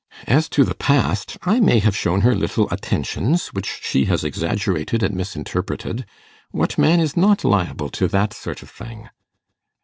As to the past, I may have shown her little attentions, which she has exaggerated and misinterpreted. What man is not liable to that sort of thing?